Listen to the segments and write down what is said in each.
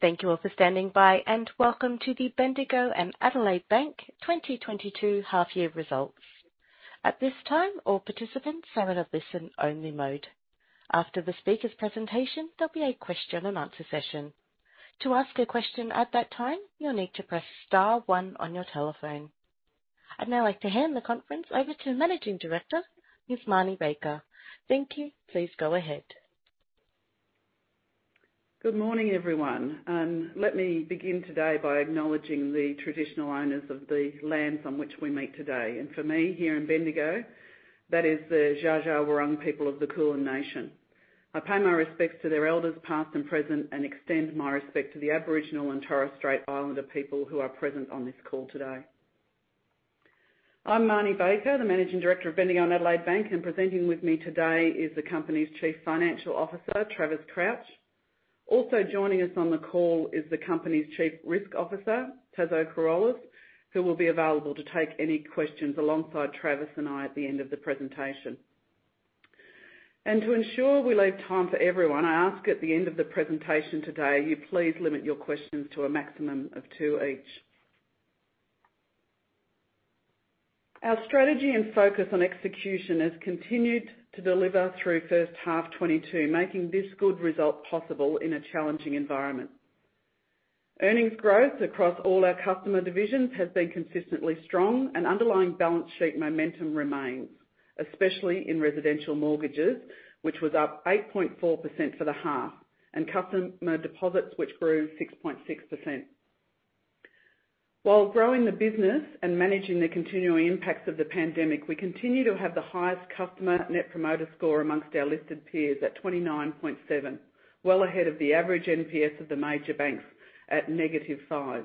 Thank you all for standing by, and welcome to the Bendigo and Adelaide Bank 2022 half-year results. At this time, all participants are in a listen-only mode. After the speaker's presentation, there'll be a question and answer session. To ask a question at that time, you'll need to press star one on your telephone. I'd now like to hand the conference over to Managing Director, Ms. Marnie Baker. Thank you. Please go ahead. Good morning, everyone. Let me begin today by acknowledging the traditional owners of the lands on which we meet today. For me, here in Bendigo, that is the Dja Dja Wurrung people of the Kulin Nation. I pay my respects to their elders past and present, and extend my respect to the Aboriginal and Torres Strait Islander people who are present on this call today. I'm Marnie Baker, the Managing Director of Bendigo and Adelaide Bank, and presenting with me today is the company's Chief Financial Officer, Travis Crouch. Also joining us on the call is the company's Chief Risk Officer, Taso Corolis, who will be available to take any questions alongside Travis and I at the end of the presentation. To ensure we leave time for everyone, I ask at the end of the presentation today, you please limit your questions to a maximum of two each. Our strategy and focus on execution has continued to deliver through first half 2022, making this good result possible in a challenging environment. Earnings growth across all our customer divisions has been consistently strong and underlying balance sheet momentum remains, especially in residential mortgages, which was up 8.4% for the half, and customer deposits, which grew 6.6%. While growing the business and managing the continuing impacts of the pandemic, we continue to have the highest customer net promoter score amongst our listed peers at 29.7, well ahead of the average NPS of the major banks at -5.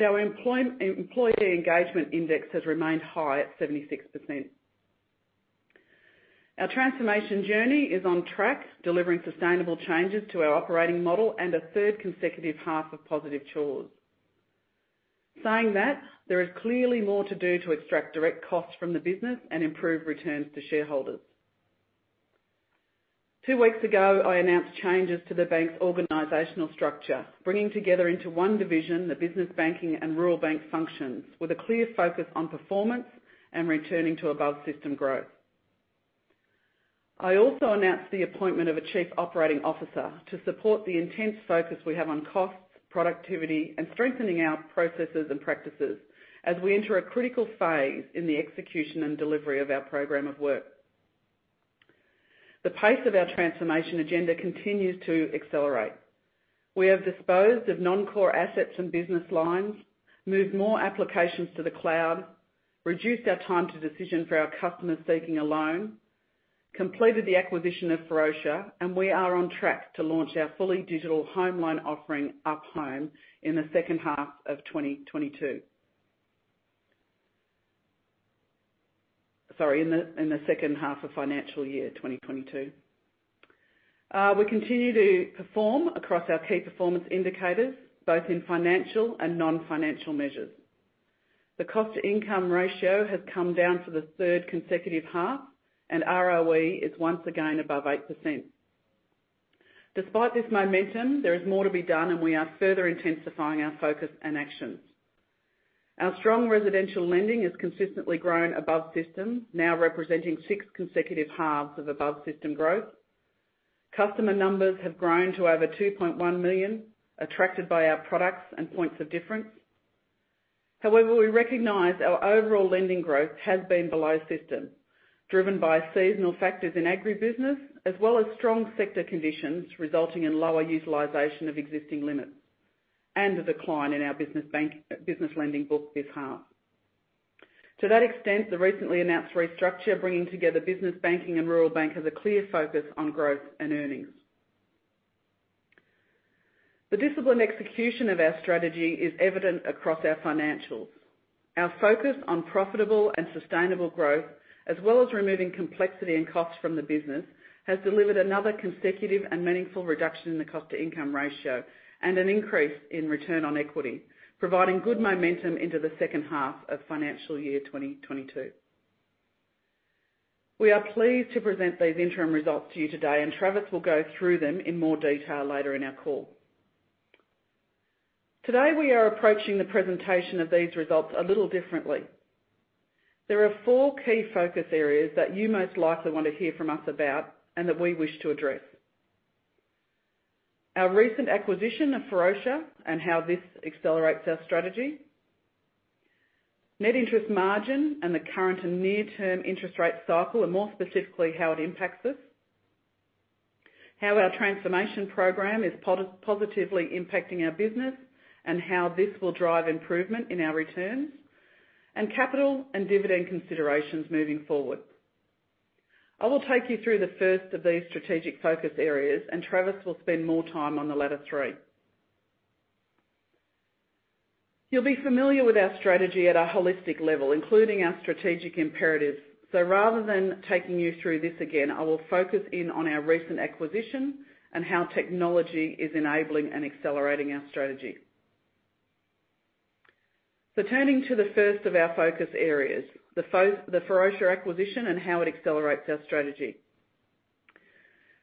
Our employee engagement index has remained high at 76%. Our transformation journey is on track, delivering sustainable changes to our operating model and a third consecutive half of positive jaws. Saying that, there is clearly more to do to extract direct costs from the business and improve returns to shareholders. Two weeks ago, I announced changes to the bank's organizational structure, bringing together into one division the Business Banking and Rural Bank functions with a clear focus on performance and returning to above-system growth. I also announced the appointment of a Chief Operating Officer to support the intense focus we have on costs, productivity, and strengthening our processes and practices as we enter a critical phase in the execution and delivery of our program of work. The pace of our transformation agenda continues to accelerate. We have disposed of non-core assets and business lines, moved more applications to the cloud, reduced our time to decision for our customers seeking a loan, completed the acquisition of Ferocia, and we are on track to launch our fully digital home loan offering Up Home in the second half of financial year 2022. We continue to perform across our key performance indicators, both in financial and non-financial measures. The cost-to-income ratio has come down for the third consecutive half, and ROE is once again above 8%. Despite this momentum, there is more to be done, and we are further intensifying our focus and actions. Our strong residential lending has consistently grown above system, now representing six consecutive halves of above-system growth. Customer numbers have grown to over 2.1 million, attracted by our products and points of difference. However, we recognise our overall lending growth has been below system, driven by seasonal factors in agribusiness, as well as strong sector conditions resulting in lower utilization of existing limits and a decline in our business bank, business lending book this half. To that extent, the recently announced restructure, bringing together Business Banking and Rural Bank, has a clear focus on growth and earnings. The disciplined execution of our strategy is evident across our financials. Our focus on profitable and sustainable growth, as well as removing complexity and costs from the business, has delivered another consecutive and meaningful reduction in the cost-to-income ratio and an increase in return on equity, providing good momentum into the second half of financial year 2022. We are pleased to present these interim results to you today, and Travis will go through them in more detail later in our call. Today, we are approaching the presentation of these results a little differently. There are four key focus areas that you most likely want to hear from us about and that we wish to address. Our recent acquisition of Ferocia and how this accelerates our strategy. Net interest margin and the current and near-term interest rate cycle and more specifically, how it impacts us. How our transformation program is positively impacting our business and how this will drive improvement in our returns. Capital and dividend considerations moving forward. I will take you through the first of these strategic focus areas, and Travis will spend more time on the latter three. You'll be familiar with our strategy at a holistic level, including our strategic imperatives. Rather than taking you through this again, I will focus in on our recent acquisition and how technology is enabling and accelerating our strategy. Turning to the first of our focus areas, the Ferocia acquisition and how it accelerates our strategy.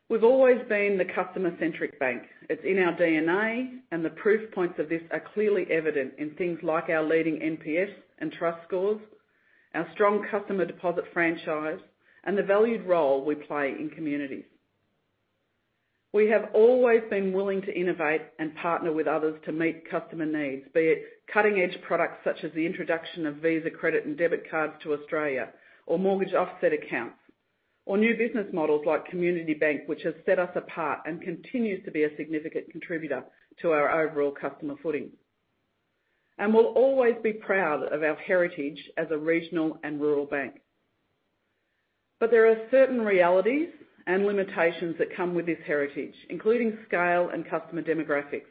We've always been the customer-centric bank. It's in our DNA, and the proof points of this are clearly evident in things like our leading NPS and trust scores, our strong customer deposit franchise, and the valued role we play in communities. We have always been willing to innovate and partner with others to meet customer needs, be it cutting-edge products such as the introduction of Visa credit and debit cards to Australia or mortgage offset accounts, or new business models like Community Bank, which has set us apart and continues to be a significant contributor to our overall customer footing. We'll always be proud of our heritage as a regional and rural bank. There are certain realities and limitations that come with this heritage, including scale and customer demographics,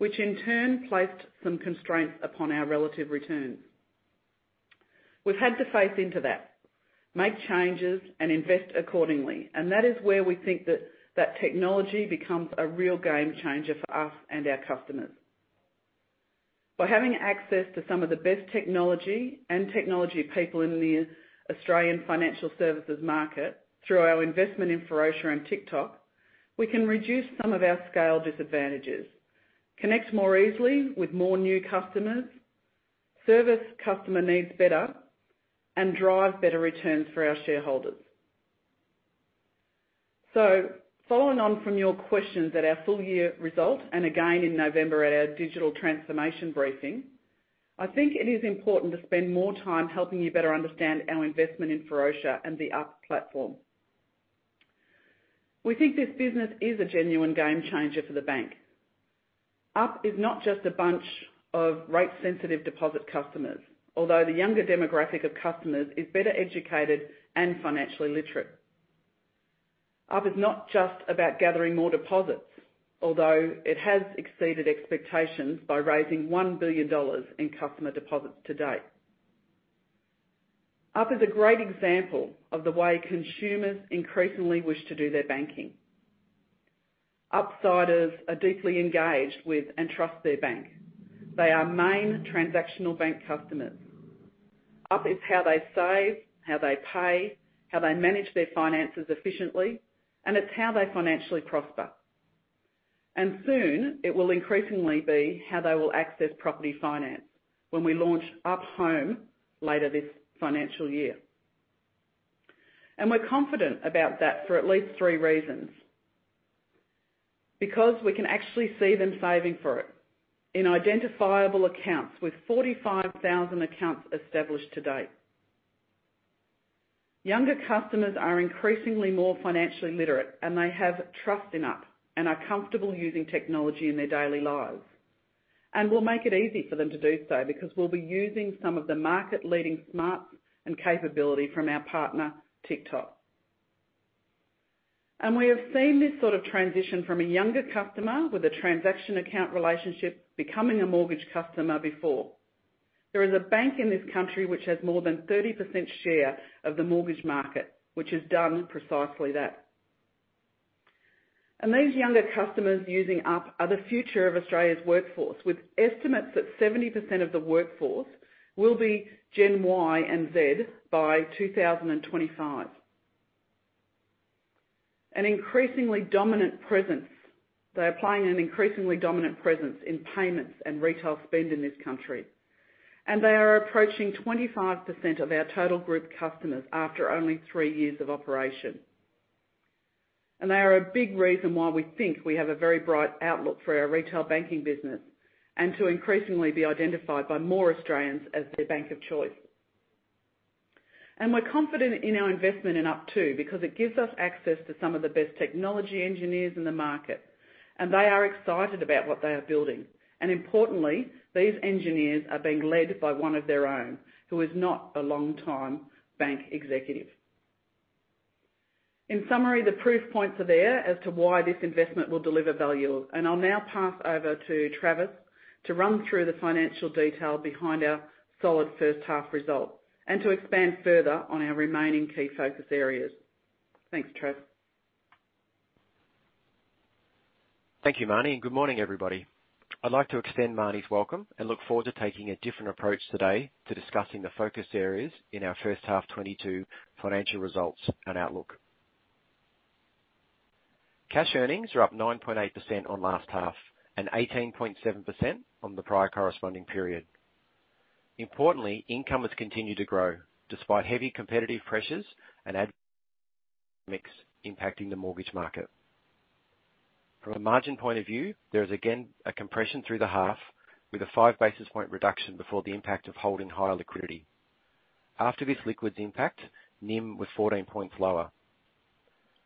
which in turn placed some constraints upon our relative returns. We've had to face into that, make changes, and invest accordingly, and that is where we think that technology becomes a real game-changer for us and our customers. By having access to some of the best technology and technology people in the Australian financial services market, through our investment in Ferocia and Tic:Toc, we can reduce some of our scale disadvantages, connect more easily with more new customers, service customer needs better, and drive better returns for our shareholders. Following on from your questions at our full year result, and again in November at our digital transformation briefing, I think it is important to spend more time helping you better understand our investment in Ferocia and the Up platform. We think this business is a genuine game changer for the bank. Up is not just a bunch of rate-sensitive deposit customers, although the younger demographic of customers is better educated and financially literate. Up is not just about gathering more deposits, although it has exceeded expectations by raising 1 billion dollars in customer deposits to date. Up is a great example of the way consumers increasingly wish to do their banking. Upsiders are deeply engaged with and trust their bank. They are main transactional bank customers. Up is how they save, how they pay, how they manage their finances efficiently, and it's how they financially prosper, and soon it will increasingly be how they will access property finance when we launch Up Home later this financial year. We're confident about that for at least three reasons. Because we can actually see them saving for it in identifiable accounts, with 45,000 accounts established to date. Younger customers are increasingly more financially literate, and they have trust in Up and are comfortable using technology in their daily lives. We'll make it easy for them to do so, because we'll be using some of the market-leading smarts and capability from our partner, Tic:Toc. We have seen this sort of transition from a younger customer with a transaction account relationship becoming a mortgage customer before. There is a bank in this country which has more than 30% share of the mortgage market, which has done precisely that. These younger customers using Up are the future of Australia's workforce, with estimates that 70% of the workforce will be Gen Y and Gen Z by 2025. They're playing an increasingly dominant presence in payments and retail spend in this country, and they are approaching 25% of our total group customers after only 3 years of operation. They are a big reason why we think we have a very bright outlook for our retail banking business, and to increasingly be identified by more Australians as their bank of choice. We're confident in our investment in Up too, because it gives us access to some of the best technology engineers in the market, and they are excited about what they are building. Importantly, these engineers are being led by one of their own, who is not a long-time bank executive. In summary, the proof points are there as to why this investment will deliver value. I'll now pass over to Travis to run through the financial detail behind our solid first half results and to expand further on our remaining key focus areas. Thanks, Trav. Thank you, Marnie, and good morning, everybody. I'd like to extend Marnie's welcome and look forward to taking a different approach today to discussing the focus areas in our first half 2022 financial results and outlook. Cash earnings are up 9.8% on last half and 18.7% on the prior corresponding period. Importantly, income has continued to grow despite heavy competitive pressures and asset mix impacting the mortgage market. From a margin point of view, there is again a compression through the half with a 5 basis point reduction before the impact of holding higher liquidity. After this liquidity impact, NIM was 14 points lower.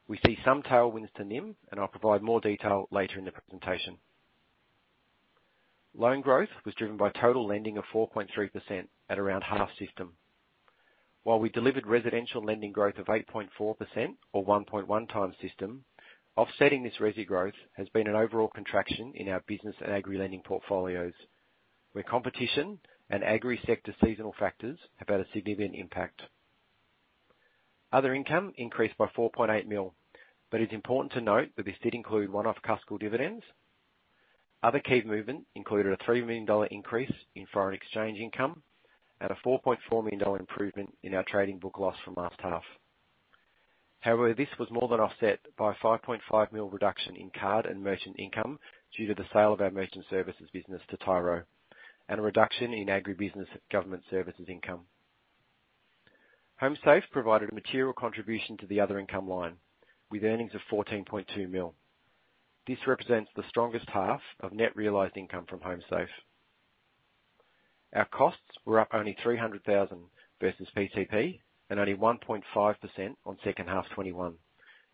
We see some tailwinds to NIM, and I'll provide more detail later in the presentation. Loan growth was driven by total lending of 4.3% at around half system. While we delivered residential lending growth of 8.4% or 1.1 times system, offsetting this resi growth has been an overall contraction in our business and agri-lending portfolios, where competition and agri-sector seasonal factors have had a significant impact. Other income increased by 4.8 million, but it's important to note that this did include one-off Cuscal dividends. Other key movement included a 3 million dollar increase in foreign exchange income and a 4.4 million dollar improvement in our trading book loss from last half. However, this was more than offset by a 5.5 million reduction in card and merchant income due to the sale of our merchant services business to Tyro and a reduction in agribusiness government services income. Homesafe provided a material contribution to the other income line with earnings of 14.2 million. This represents the strongest half of net realized income from Homesafe. Our costs were up only 300,000 versus PCP and only 1.5% on second half 2021,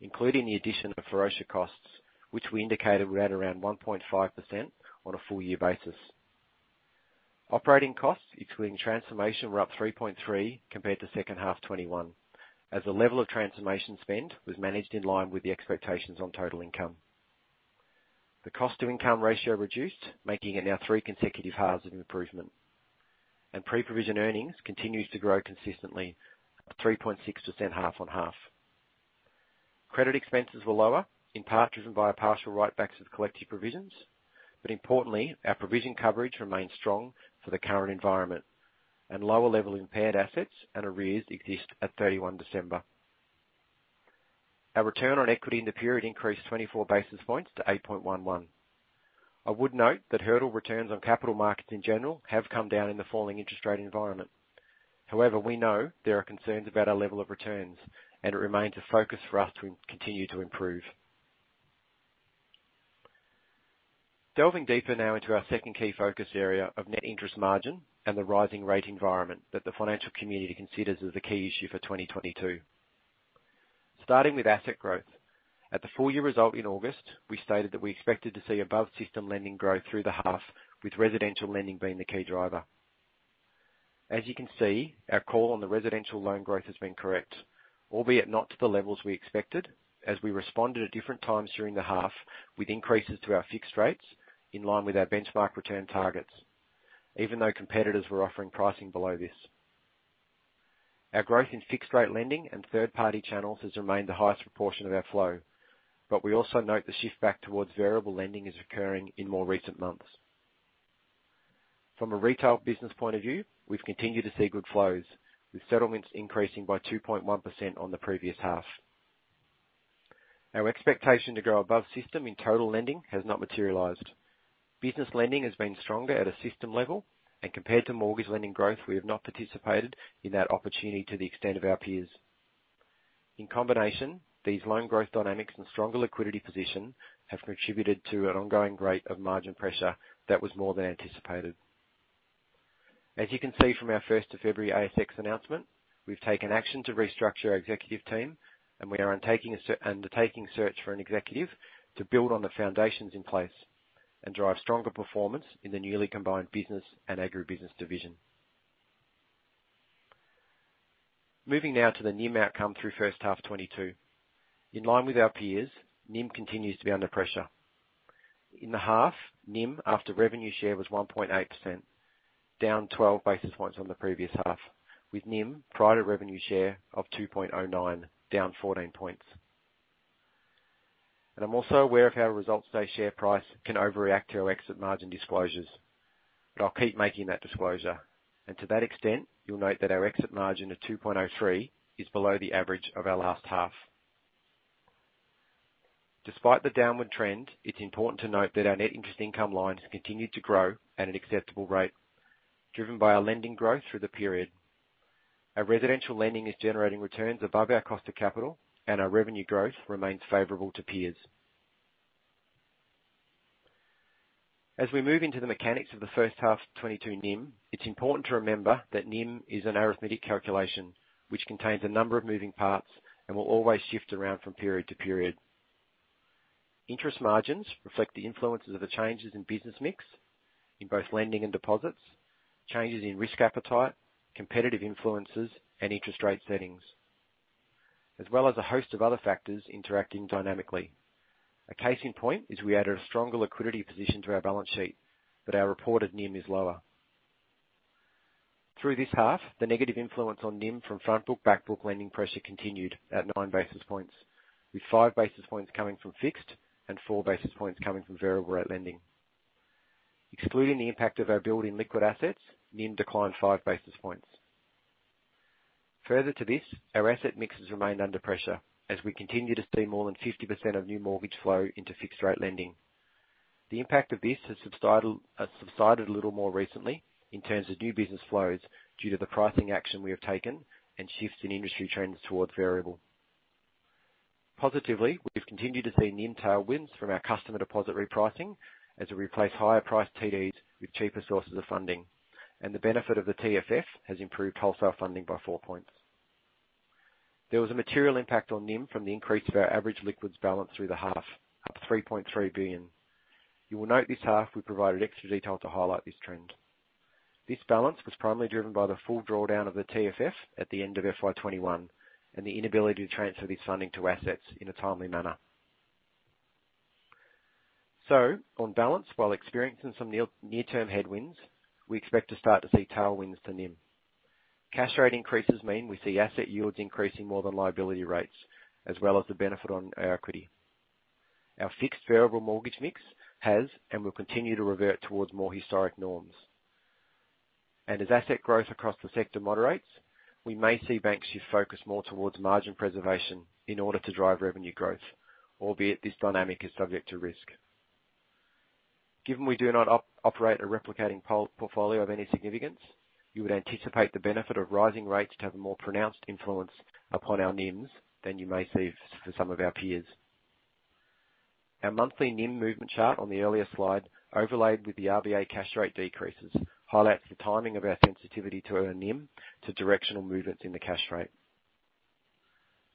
including the addition of Ferocia costs, which we indicated were at around 1.5% on a full year basis. Operating costs, excluding transformation, were up 3.3% compared to second half 2021 as the level of transformation spend was managed in line with the expectations on total income. The cost to income ratio reduced, making it now three consecutive halves of improvement, and pre-provision earnings continues to grow consistently at 3.6% half-on-half. Credit expenses were lower, in part driven by a partial write backs of collective provisions, but importantly, our provision coverage remains strong for the current environment and lower level impaired assets and arrears exist at 31 December. Our return on equity in the period increased 24 basis points to 8.11. I would note that hurdle returns on capital markets in general have come down in the falling interest rate environment. However, we know there are concerns about our level of returns and it remains a focus for us to continue to improve. Delving deeper now into our second key focus area of net interest margin and the rising rate environment that the financial community considers as the key issue for 2022. Starting with asset growth. At the full year result in August, we stated that we expected to see above-system lending growth through the half, with residential lending being the key driver. As you can see, our call on the residential loan growth has been correct, albeit not to the levels we expected as we responded at different times during the half with increases to our fixed rates in line with our benchmark return targets, even though competitors were offering pricing below this. Our growth in fixed rate lending and third-party channels has remained the highest proportion of our flow. We also note the shift back towards variable lending is occurring in more recent months. From a retail business point of view, we've continued to see good flows, with settlements increasing by 2.1% on the previous half. Our expectation to grow above system in total lending has not materialized. Business lending has been stronger at a system level and compared to mortgage lending growth, we have not participated in that opportunity to the extent of our peers. In combination, these loan growth dynamics and stronger liquidity position have contributed to an ongoing rate of margin pressure that was more than anticipated. As you can see from our first of February ASX announcement, we've taken action to restructure our executive team, and we are undertaking a search for an executive to build on the foundations in place and drive stronger performance in the newly combined business and agribusiness division. Moving now to the NIM outcome through first half 2022. In line with our peers, NIM continues to be under pressure. In the half, NIM after revenue share was 1.8%, down 12 basis points on the previous half, with NIM prior to revenue share of 2.09, down 14 points. I'm also aware of how results day share price can overreact to our exit margin disclosures, but I'll keep making that disclosure. To that extent, you'll note that our exit margin of 2.03 is below the average of our last half. Despite the downward trend, it's important to note that our net interest income line has continued to grow at an acceptable rate, driven by our lending growth through the period. Our residential lending is generating returns above our cost of capital, and our revenue growth remains favorable to peers. As we move into the mechanics of the first half 2022 NIM, it's important to remember that NIM is an arithmetic calculation which contains a number of moving parts and will always shift around from period to period. Interest margins reflect the influences of the changes in business mix in both lending and deposits, changes in risk appetite, competitive influences and interest rate settings, as well as a host of other factors interacting dynamically. A case in point is we added a stronger liquidity position to our balance sheet, but our reported NIM is lower. Through this half, the negative influence on NIM from front book, back book lending pressure continued at 9 basis points, with 5 basis points coming from fixed and 4 basis points coming from variable rate lending. Excluding the impact of our building liquid assets, NIM declined 5 basis points. Further to this, our asset mix has remained under pressure as we continue to see more than 50% of new mortgage flow into fixed rate lending. The impact of this has subsided a little more recently in terms of new business flows due to the pricing action we have taken and shifts in industry trends towards variable. Positively, we've continued to see NIM tailwinds from our customer deposit repricing as we replace higher priced TDs with cheaper sources of funding, and the benefit of the TFF has improved wholesale funding by 4 points. There was a material impact on NIM from the increase of our average liquid assets balance through the half, up 3.3 billion. You will note this half we provided extra detail to highlight this trend. This balance was primarily driven by the full drawdown of the TFF at the end of FY 2021 and the inability to transfer this funding to assets in a timely manner. On balance, while experiencing some near term headwinds, we expect to start to see tailwinds to NIM. Cash rate increases mean we see asset yields increasing more than liability rates, as well as the benefit on our equity. Our fixed variable mortgage mix has and will continue to revert towards more historic norms. As asset growth across the sector moderates, we may see banks shift focus more towards margin preservation in order to drive revenue growth, albeit this dynamic is subject to risk. Given we do not operate a replicating portfolio of any significance, you would anticipate the benefit of rising rates to have a more pronounced influence upon our NIMs than you may see for some of our peers. Our monthly NIM movement chart on the earlier slide, overlaid with the RBA cash rate decreases, highlights the timing of our sensitivity to our NIM to directional movements in the cash rate.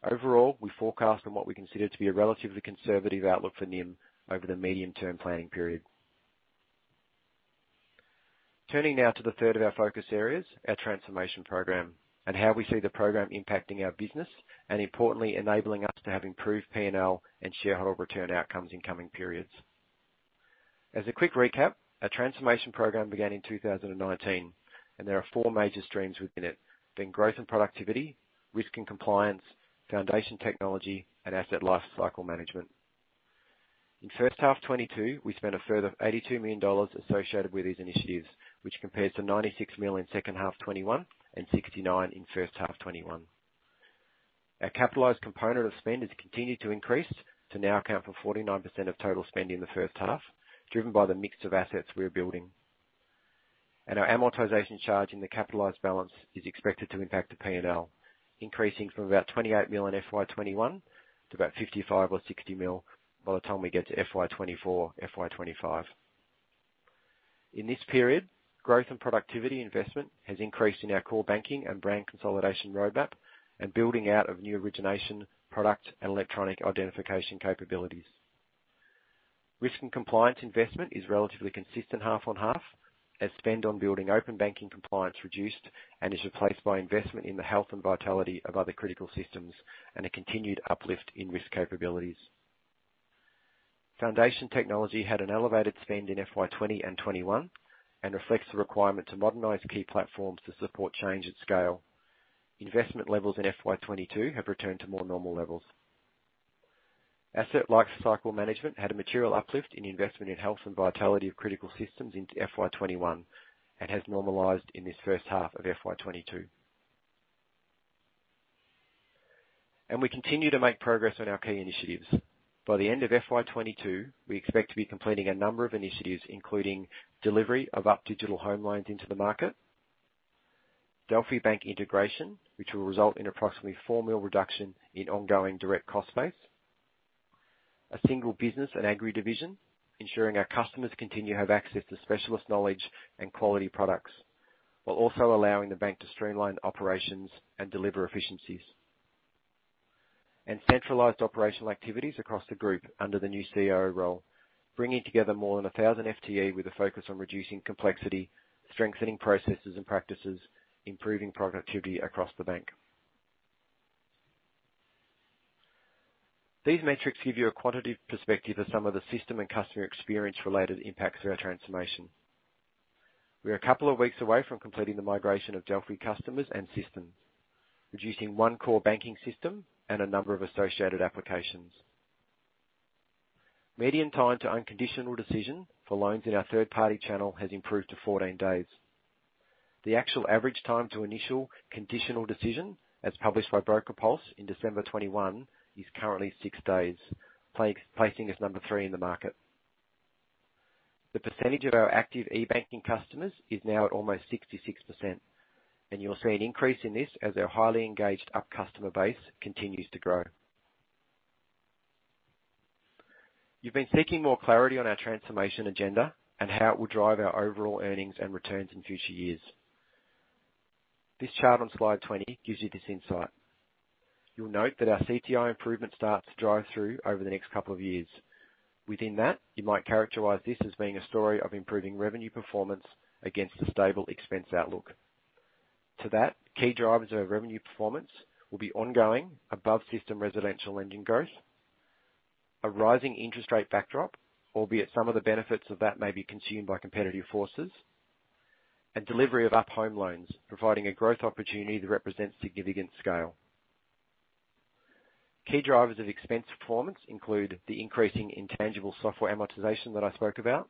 Overall, we forecast on what we consider to be a relatively conservative outlook for NIM over the medium-term planning period. Turning now to the third of our focus areas, our transformation program, and how we see the program impacting our business and importantly, enabling us to have improved P&L and shareholder return outcomes in coming periods. As a quick recap, our transformation program began in 2019, and there are four major streams within it, being growth and productivity, risk and compliance, foundation technology and asset lifecycle management. In first half 2022, we spent a further 82 million dollars associated with these initiatives, which compares to 96 million in second half 2021 and 69 in first half 2021. Our capitalized component of spend has continued to increase to now account for 49% of total spend in the first half, driven by the mix of assets we are building. Our amortization charge in the capitalized balance is expected to impact the P&L, increasing from about 28 million in FY 2021 to about 55 million or 60 million by the time we get to FY 2024, FY 2025. In this period, growth and productivity investment has increased in our core banking and brand consolidation roadmap and building out of new origination product and electronic identification capabilities. Risk and compliance investment is relatively consistent half on half as spend on building open banking compliance reduced and is replaced by investment in the health and vitality of other critical systems and a continued uplift in risk capabilities. Foundation technology had an elevated spend in FY 2020 and 2021, and reflects the requirement to modernize key platforms to support change at scale. Investment levels in FY 2022 have returned to more normal levels. Asset lifecycle management had a material uplift in investment in health and vitality of critical systems into FY 2021, and has normalized in this first half of FY 2022. We continue to make progress on our key initiatives. By the end of FY 2022, we expect to be completing a number of initiatives, including delivery of Up Home into the market, Delphi Bank integration, which will result in approximately 4 million reduction in ongoing direct cost base. A single business and agri division, ensuring our customers continue to have access to specialist knowledge and quality products, while also allowing the bank to streamline operations and deliver efficiencies. Centralized operational activities across the group under the new COO role, bringing together more than 1,000 FTE with a focus on reducing complexity, strengthening processes and practices, improving productivity across the bank. These metrics give you a quantitative perspective of some of the system and customer experience related impacts through our transformation. We are a couple of weeks away from completing the migration of Delphi customers and systems, reducing one core banking system and a number of associated applications. Median time to unconditional decision for loans in our third-party channel has improved to 14 days. The actual average time to initial conditional decision, as published by Broker Pulse in December 2021, is currently 6 days, placing us number 3 in the market. The percentage of our active e-banking customers is now at almost 66%, and you'll see an increase in this as our highly engaged Up customer base continues to grow. You've been seeking more clarity on our transformation agenda and how it will drive our overall earnings and returns in future years. This chart on slide 20 gives you this insight. You'll note that our CTI improvement starts to drive through over the next couple of years. Within that, you might characterize this as being a story of improving revenue performance against a stable expense outlook. To that, key drivers of revenue performance will be ongoing above system residential lending growth, a rising interest rate backdrop, albeit some of the benefits of that may be consumed by competitive forces, and delivery of Up Home loans, providing a growth opportunity that represents significant scale. Key drivers of expense performance include the increasing intangible software amortization that I spoke about,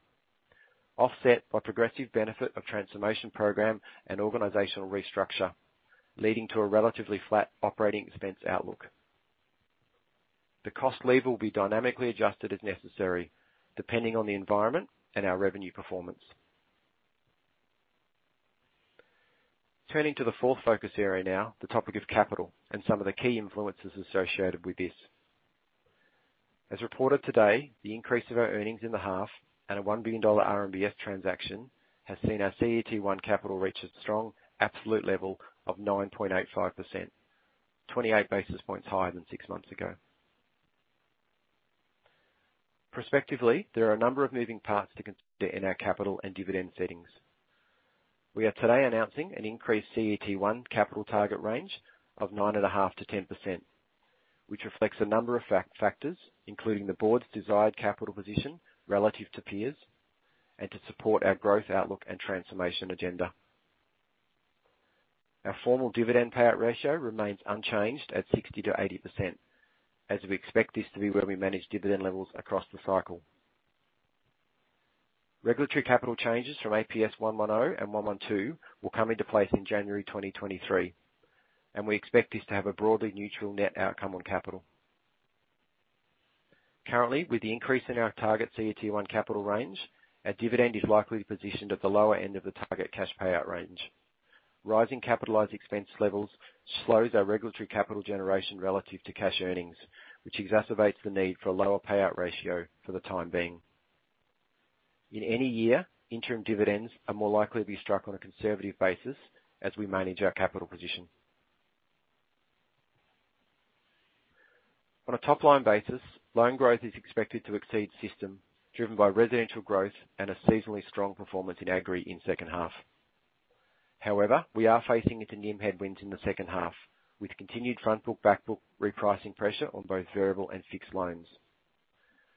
offset by progressive benefit of transformation program and organizational restructure, leading to a relatively flat operating expense outlook. The cost lever will be dynamically adjusted as necessary, depending on the environment and our revenue performance. Turning to the fourth focus area now, the topic of capital and some of the key influences associated with this. As reported today, the increase of our earnings in the half and a 1 billion dollar RMBS transaction has seen our CET1 capital reach a strong absolute level of 9.85%, 28 basis points higher than six months ago. Prospectively, there are a number of moving parts to consider in our capital and dividend settings. We are today announcing an increased CET1 capital target range of 9.5%-10%, which reflects a number of factors, including the board's desired capital position relative to peers and to support our growth outlook and transformation agenda. Our formal dividend payout ratio remains unchanged at 60%-80% as we expect this to be where we manage dividend levels across the cycle. Regulatory capital changes from APS 110 and 112 will come into place in January 2023, and we expect this to have a broadly neutral net outcome on capital. Currently, with the increase in our target CET1 capital range, our dividend is likely positioned at the lower end of the target cash payout range. Rising capitalized expense levels slows our regulatory capital generation relative to cash earnings, which exacerbates the need for a lower payout ratio for the time being. In any year, interim dividends are more likely to be struck on a conservative basis as we manage our capital position. On a top-line basis, loan growth is expected to exceed system driven by residential growth and a seasonally strong performance in agri in second half. However, we are facing into NIM headwinds in the second half with continued front book, back book repricing pressure on both variable and fixed loans.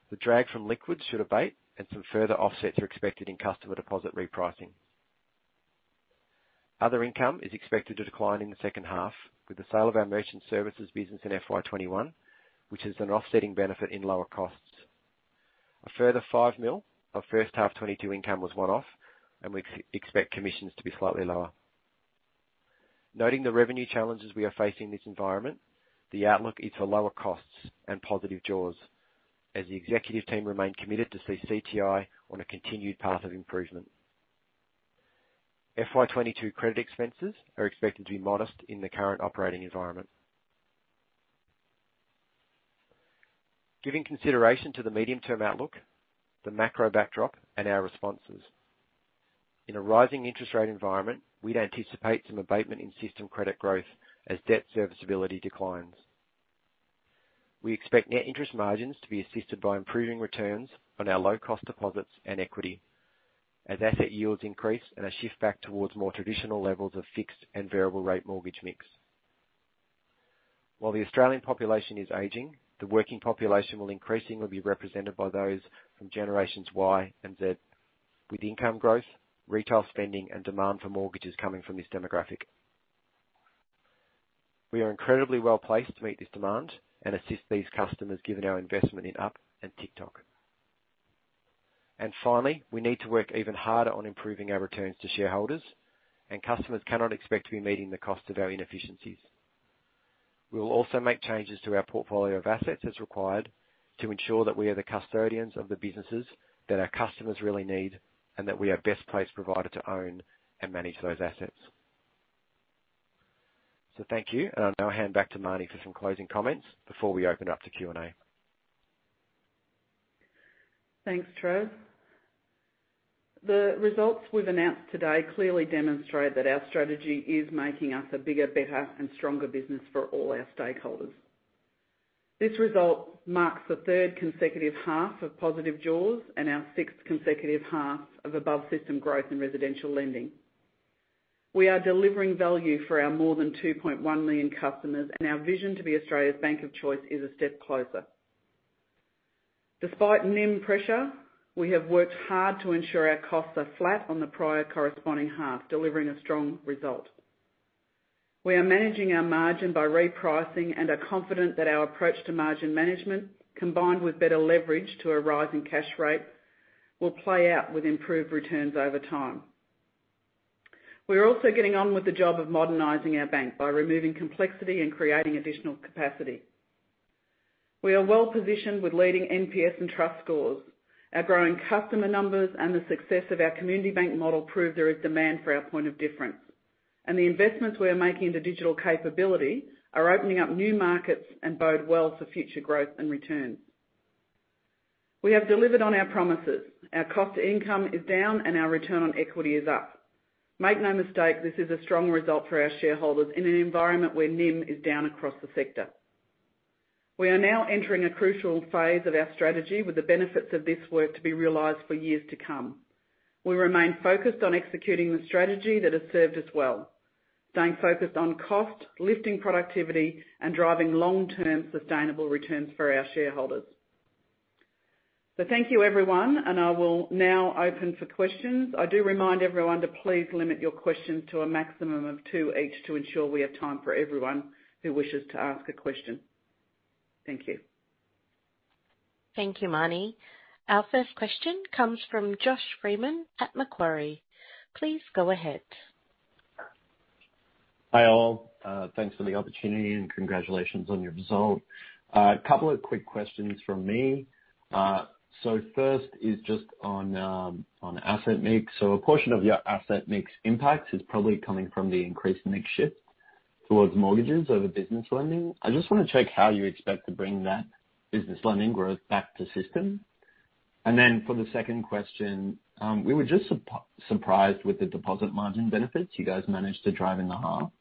The drag from liquids should abate and some further offsets are expected in customer deposit repricing. Other income is expected to decline in the second half with the sale of our merchant services business in FY 2021, which is an offsetting benefit in lower costs. A further 5 million of first half 2022 income was one-off and we expect commissions to be slightly lower. Noting the revenue challenges we are facing in this environment, the outlook is for lower costs and positive jaws as the executive team remain committed to see CTI on a continued path of improvement. FY 2022 credit expenses are expected to be modest in the current operating environment. Giving consideration to the medium-term outlook, the macro backdrop and our responses. In a rising interest rate environment, we'd anticipate some abatement in system credit growth as debt serviceability declines. We expect net interest margins to be assisted by improving returns on our low-cost deposits and equity as asset yields increase and a shift back towards more traditional levels of fixed and variable rate mortgage mix. While the Australian population is aging, the working population will increasingly be represented by those from Generations Y and Z with income growth, retail spending and demand for mortgages coming from this demographic. We are incredibly well-placed to meet this demand and assist these customers given our investment in Up and Tic:Toc. Finally, we need to work even harder on improving our returns to shareholders and customers cannot expect to be meeting the cost of our inefficiencies. We will also make changes to our portfolio of assets as required to ensure that we are the custodians of the businesses that our customers really need and that we are best-placed provider to own and manage those assets. Thank you, and I'll now hand back to Marnie for some closing comments before we open up to Q&A. Thanks, Trav. The results we've announced today clearly demonstrate that our strategy is making us a bigger, better and stronger business for all our stakeholders. This result marks the third consecutive half of positive jaws and our sixth consecutive half of above-system growth in residential lending. We are delivering value for our more than 2.1 million customers and our vision to be Australia's bank of choice is a step closer. Despite NIM pressure, we have worked hard to ensure our costs are flat on the prior corresponding half, delivering a strong result. We are managing our margin by repricing and are confident that our approach to margin management, combined with better leverage to a rise in cash rate, will play out with improved returns over time. We are also getting on with the job of modernizing our bank by removing complexity and creating additional capacity. We are well-positioned with leading NPS and trust scores. Our growing customer numbers and the success of our Community Bank model prove there is demand for our point of difference. The investments we are making into digital capability are opening up new markets and bode well for future growth and returns. We have delivered on our promises. Our cost to income is down and our return on equity is up. Make no mistake, this is a strong result for our shareholders in an environment where NIM is down across the sector. We are now entering a crucial phase of our strategy with the benefits of this work to be realized for years to come. We remain focused on executing the strategy that has served us well, staying focused on cost, lifting productivity and driving long-term sustainable returns for our shareholders. Thank you, everyone, and I will now open for questions. I do remind everyone to please limit your questions to a maximum of two each to ensure we have time for everyone who wishes to ask a question. Thank you. Thank you, Marnie. Our first question comes from Josh Freiman at Macquarie. Please go ahead. Hi, all. Thanks for the opportunity and congratulations on your result. A couple of quick questions from me. First is just on asset mix. A portion of your asset mix impact is probably coming from the increased mix shift towards mortgages over business lending. I just wanna check how you expect to bring that business lending growth back to system. Then for the second question, we were just surprised with the deposit margin benefits you guys managed to drive in the half.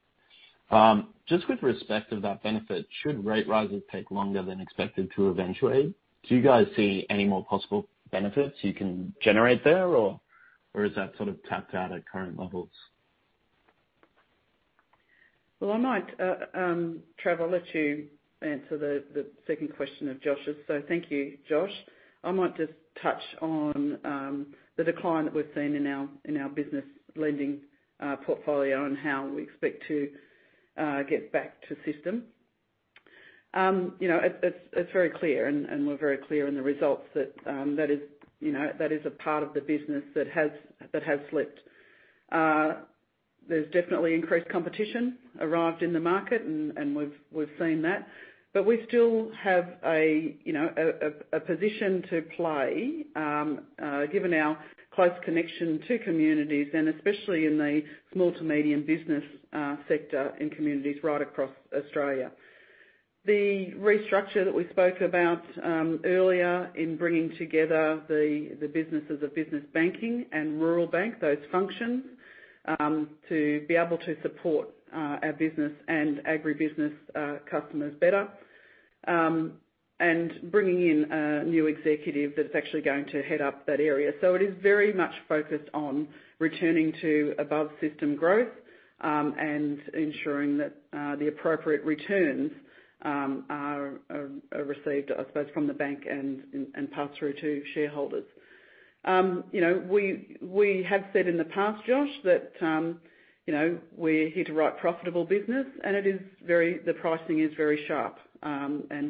Just with respect of that benefit, should rate rises take longer than expected to eventuate? Do you guys see any more possible benefits you can generate there or is that sort of tapped out at current levels? Well, I might, Trav, I'll let you answer the second question of Josh's. Thank you, Josh. I might just touch on the decline that we've seen in our business lending portfolio and how we expect to get back to system. You know, it's very clear and we're very clear in the results that is you know that is a part of the business that has slipped. There's definitely increased competition arrived in the market and we've seen that. We still have a you know a position to play given our close connection to communities, and especially in the small to medium business sector and communities right across Australia. The restructure that we spoke about earlier in bringing together the businesses of Business Banking and Rural Bank, those functions to be able to support our business and agribusiness customers better and bringing in a new executive that's actually going to head up that area. It is very much focused on returning to above-system growth and ensuring that the appropriate returns are received, I suppose, from the bank and passed through to shareholders. You know, we have said in the past, Josh, that you know, we're here to write profitable business, and the pricing is very sharp.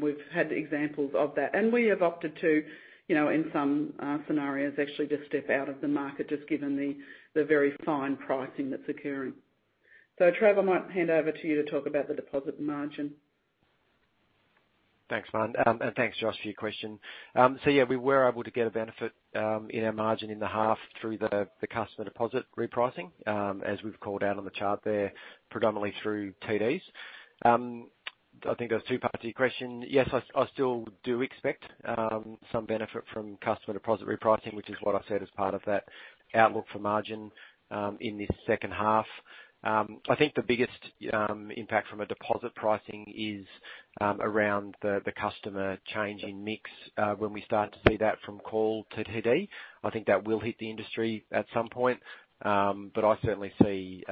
We've had examples of that. We have opted to, you know, in some scenarios actually just step out of the market just given the very fine pricing that's occurring. Trav, I might hand over to you to talk about the deposit margin. Thanks, Marnie. Thanks, Josh, for your question. Yeah, we were able to get a benefit in our margin in the half through the customer deposit repricing, as we've called out on the chart there, predominantly through TDs. I think there was two parts to your question. Yes, I still do expect some benefit from customer deposit repricing, which is what I said is part of that outlook for margin in this second half. I think the biggest impact from a deposit pricing is around the customer change in mix when we start to see that from call to TD. I think that will hit the industry at some point. I certainly see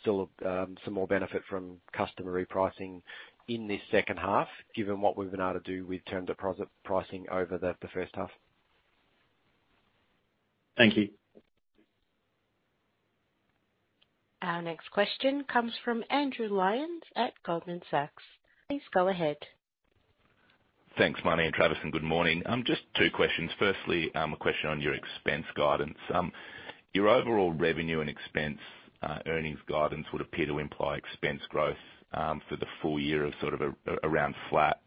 still some more benefit from customer repricing in this second half, given what we've been able to do with term deposit pricing over the first half. Thank you. Our next question comes from Andrew Lyons at Goldman Sachs. Please go ahead. Thanks, Marnie and Travis, and good morning. Just two questions. Firstly, a question on your expense guidance. Your overall revenue and expense earnings guidance would appear to imply expense growth for the full year of sort of around flat.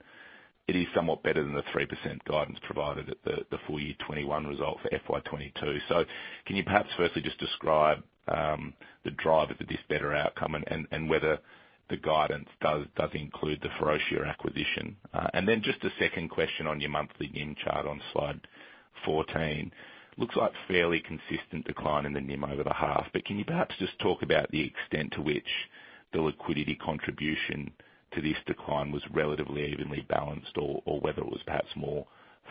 It is somewhat better than the 3% guidance provided at the full year 2021 result for FY 2022. Can you perhaps firstly just describe the drivers of this better outcome and whether the guidance does include the Ferocia acquisition? And then just a second question on your monthly NIM chart on slide 14. Looks like fairly consistent decline in the NIM over the half. Can you perhaps just talk about the extent to which the liquidity contribution to this decline was relatively evenly balanced, or whether it was perhaps more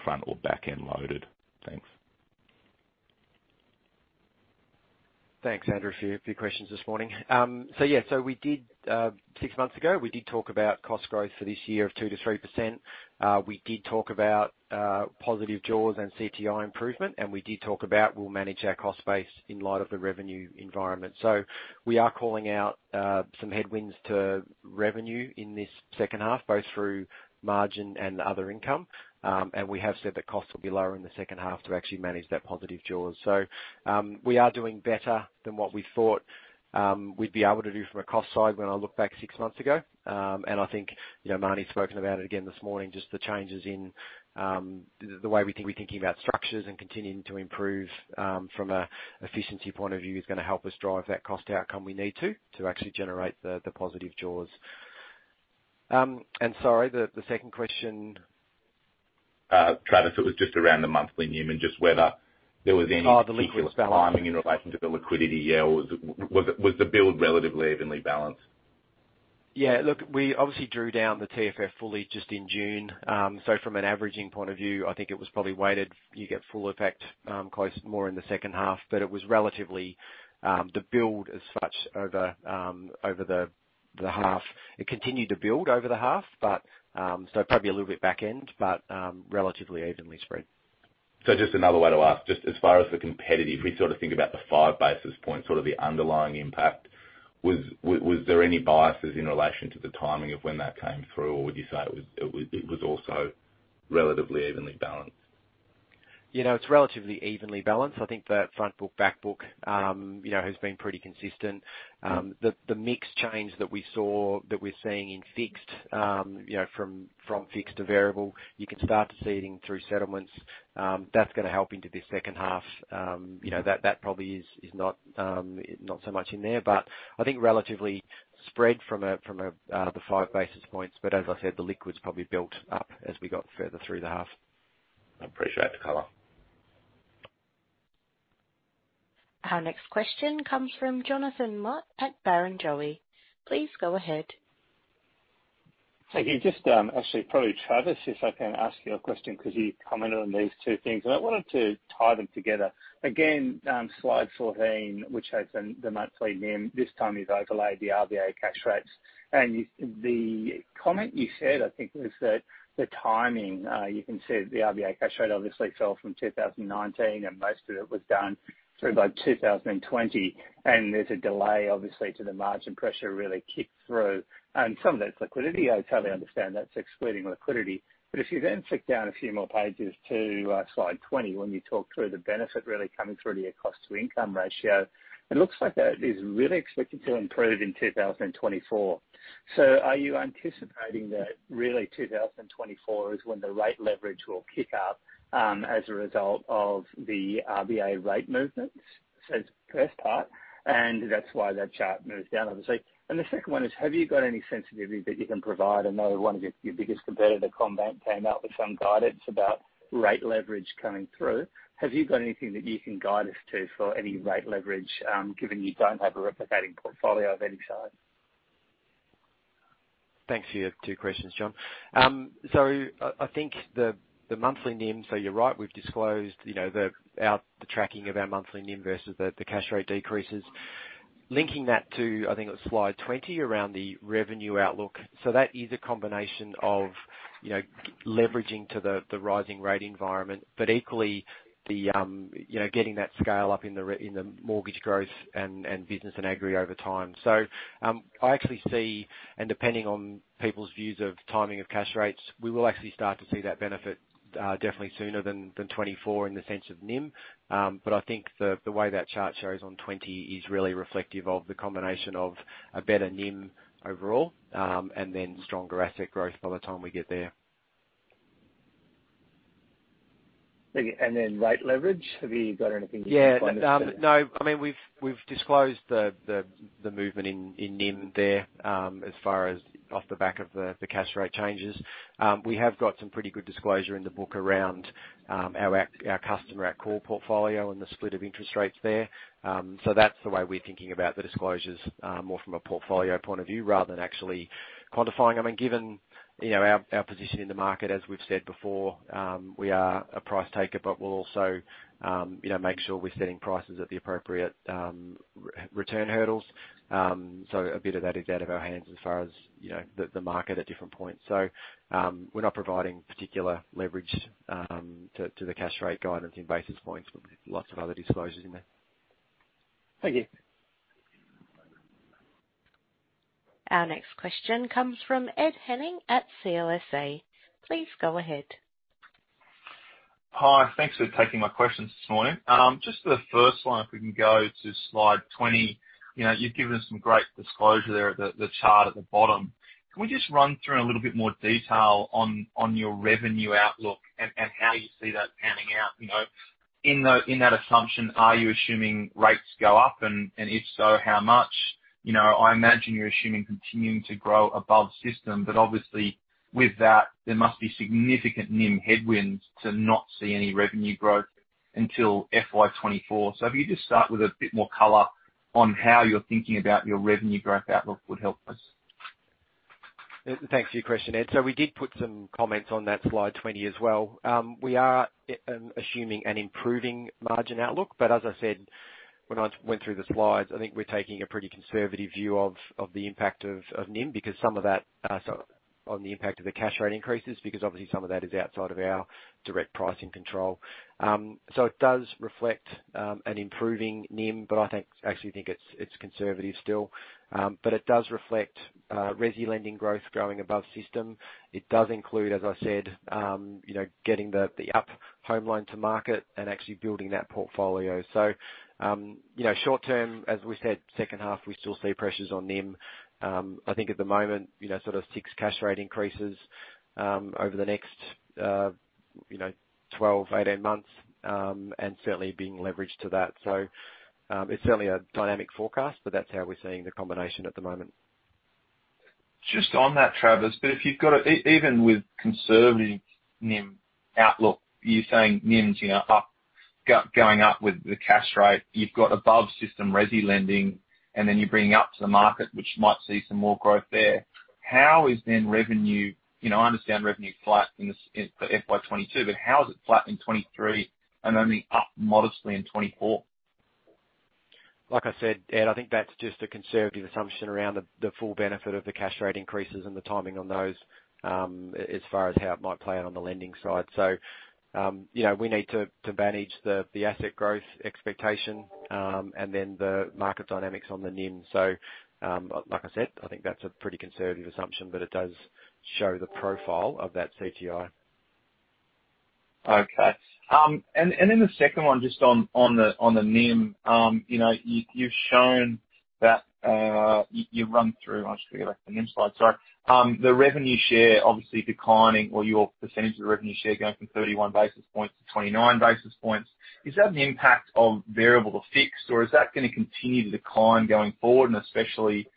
front or back-end loaded? Thanks. Thanks, Andrew, for your questions this morning. Six months ago, we did talk about cost growth for this year of 2%-3%. We did talk about positive jaws and CTI improvement, and we did talk about we'll manage our cost base in light of the revenue environment. We are calling out some headwinds to revenue in this second half, both through margin and other income. We have said that costs will be lower in the second half to actually manage that positive jaws. We are doing better than what we thought we'd be able to do from a cost side when I look back six months ago. I think, you know, Marnie's spoken about it again this morning, just the changes in the way we're thinking about structures and continuing to improve from an efficiency point of view is gonna help us drive that cost outcome we need to actually generate the positive jaws. Sorry, the second question? Travis, it was just around the monthly NIM and just whether there was any- Oh, the liquidity balance. Particular timing in relation to the liquidity. Yeah, or was it, was the build relatively evenly balanced? Yeah. Look, we obviously drew down the TFF fully just in June. From an averaging point of view, I think it was probably weighted. You get full effect closer in the second half, but it was relatively the build as such over the half. It continued to build over the half, but probably a little bit back-end, but relatively evenly spread. Just another way to ask, just as far as the competitive, we sort of think about the 5 basis points, sort of the underlying impact. Was there any biases in relation to the timing of when that came through? Or would you say it was also relatively evenly balanced? You know, it's relatively evenly balanced. I think the front book, back book, you know, has been pretty consistent. The mix change that we saw, that we're seeing in fixed, you know, from fixed to variable, you can start to see it in through settlements. That's gonna help into this second half. You know, that probably is not so much in there. I think relatively spread from the five basis points. As I said, the liquidity probably built up as we got further through the half. I appreciate the color. Our next question comes from Jonathan Mott at Barrenjoey. Please go ahead. Thank you. Just, actually, probably Travis, if I can ask you a question, because you commented on these two things, and I wanted to tie them together. Again, slide 14, which has the monthly NIM, this time you've overlaid the RBA cash rates. The comment you said I think was that the timing, you can see that the RBA cash rate obviously fell from 2019, and most of it was done through by 2020. There's a delay, obviously, to the margin pressure really kick through. Some of that's liquidity. I totally understand that's excluding liquidity. If you then flick down a few more pages to slide 20, when you talk through the benefit really coming through to your cost to income ratio, it looks like that is really expected to improve in 2024. Are you anticipating that really 2024 is when the rate leverage will kick up as a result of the RBA rate movements? That's the first part, and that's why that chart moves down, obviously. The second one is, have you got any sensitivity that you can provide? I know one of your biggest competitor, CommBank, came out with some guidance about rate leverage coming through. Have you got anything that you can guide us to for any rate leverage, given you don't have a replicating portfolio of any size? Thanks for your two questions, John. I think the monthly NIM, so you're right, we've disclosed, you know, our tracking of our monthly NIM versus the cash rate decreases. Linking that to, I think it was slide 20 around the revenue outlook. That is a combination of, you know, leveraging to the rising rate environment, but equally you know, getting that scale up in the mortgage growth and business and agri over time. I actually see, and depending on people's views of timing of cash rates, we will actually start to see that benefit, definitely sooner than 2024 in the sense of NIM. I think the way that chart shows on 20 is really reflective of the combination of a better NIM overall, and then stronger asset growth by the time we get there. Okay, rate leverage. Have you got anything you can provide us there? Yeah. No, I mean, we've disclosed the movement in NIM there, as far as off the back of the cash rate changes. We have got some pretty good disclosure in the book around our customer and core portfolio and the split of interest rates there. That's the way we're thinking about the disclosures, more from a portfolio point of view rather than actually quantifying. I mean, given, you know, our position in the market, as we've said before, we are a price taker, but we'll also, you know, make sure we're setting prices at the appropriate return hurdles. A bit of that is out of our hands as far as, you know, the market at different points. We're not providing particular leverage to the cash rate guidance in basis points, but lots of other disclosures in there. Thank you. Our next question comes from Ed Henning at CLSA. Please go ahead. Hi. Thanks for taking my questions this morning. Just for the first one, if we can go to slide 20. You know, you've given us some great disclosure there at the chart at the bottom. Can we just run through in a little bit more detail on your revenue outlook and how you see that panning out? You know, in that assumption, are you assuming rates go up, and if so, how much? You know, I imagine you're assuming continuing to grow above system, but obviously with that there must be significant NIM headwinds to not see any revenue growth until FY 2024. If you just start with a bit more color on how you're thinking about your revenue growth outlook would help us. Thanks for your question, Ed. We did put some comments on that slide 20 as well. We are assuming an improving margin outlook, but as I said when I went through the slides, I think we're taking a pretty conservative view of the impact of NIM because some of that on the impact of the cash rate increases, because obviously some of that is outside of our direct pricing control. It does reflect an improving NIM, but I think actually it's conservative still. It does reflect resi lending growth growing above system. It does include, as I said, you know, getting the Up Home Loan to market and actually building that portfolio. You know, short term, as we said, second half, we still see pressures on NIM. I think at the moment, you know, sort of 6 cash rate increases over the next 12, 18 months, and certainly being leveraged to that. It's certainly a dynamic forecast, but that's how we're seeing the combination at the moment. Just on that, Travis. Even with conservative NIM outlook, you're saying NIM's, you know, up, going up with the cash rate. You've got above system resi lending, and then you're bringing up to the market, which might see some more growth there. How is then revenue? You know, I understand revenue's flat in this for FY 2022. How is it flat in 2023 and only up modestly in 2024? Like I said, Ed, I think that's just a conservative assumption around the full benefit of the cash rate increases and the timing on those, as far as how it might play out on the lending side. You know, we need to manage the asset growth expectation, and then the market dynamics on the NIM. Like I said, I think that's a pretty conservative assumption, but it does show the profile of that CTI. Okay. The second one just on the NIM. You know, you've shown that. I'll just bring it back to the NIM slide. Sorry. The revenue share obviously declining or your percentage of revenue share going from 31 basis points to 29 basis points. Is that an impact of variable to fixed, or is that gonna continue to decline going forward? Especially,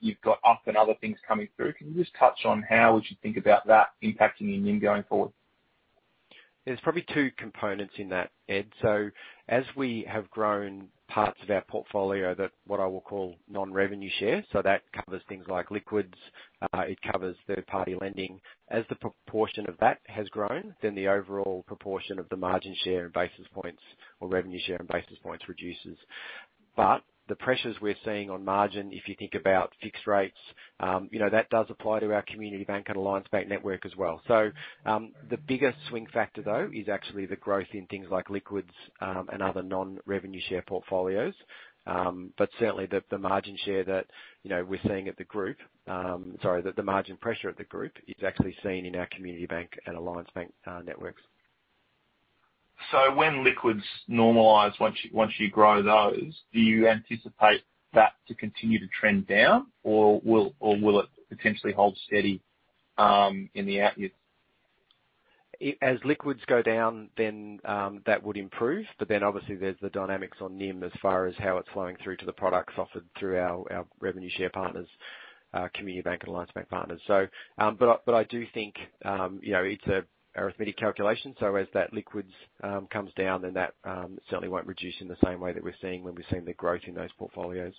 you've got Up and other things coming through. Can you just touch on how we should think about that impacting your NIM going forward? There's probably two components in that, Ed. As we have grown parts of our portfolio that, what I will call non-revenue share, that covers things like liquids, it covers third-party lending. As the proportion of that has grown, the overall proportion of the margin share and basis points or revenue share and basis points reduces. The pressures we're seeing on margin, if you think about fixed rates, you know, that does apply to our Community Bank and Alliance Bank network as well. The biggest swing factor though is actually the growth in things like liquids, and other non-revenue share portfolios. Certainly the margin share that, you know, we're seeing at the group. Sorry, the margin pressure at the group is actually seen in our Community Bank and Alliance Bank networks. When liquids normalize, once you grow those, do you anticipate that to continue to trend down, or will it potentially hold steady in the out years? As liquidity goes down, that would improve. Obviously there's the dynamics on NIM as far as how it's flowing through to the products offered through our revenue share partners, our Community Bank and Alliance Bank partners. I do think, you know, it's an arithmetic calculation, so as that liquidity comes down, that certainly won't reduce in the same way that we're seeing the growth in those portfolios. Okay.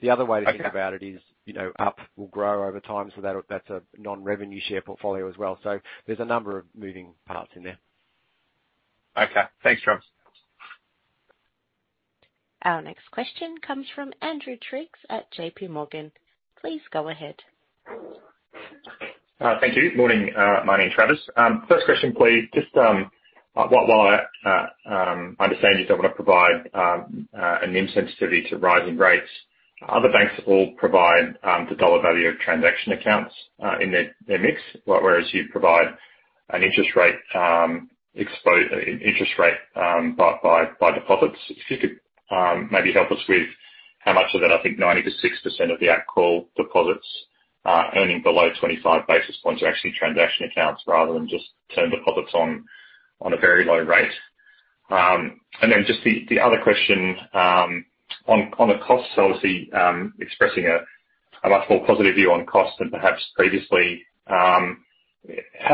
The other way to think about it is, you know, Up will grow over time, so that's a non-revenue share portfolio as well. There's a number of moving parts in there. Okay. Thanks, Trav. Our next question comes from Andrew Triggs at JPMorgan. Please go ahead. Thank you. Morning, Marnie and Travis. First question, please. Just while I understand you don't wanna provide an NIM sensitivity to rising rates, other banks all provide the dollar value of transaction accounts in their mix, whereas you provide an interest rate exposure by deposits. If you could maybe help us with how much of that, I think 90%-96% of the at-call deposits are earning below 25 basis points are actually transaction accounts rather than just term deposits on a very low rate. Just the other question on the costs, obviously expressing a much more positive view on costs than perhaps previously. How